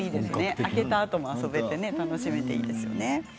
開けたあとも楽しめていいですね。